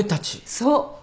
そう。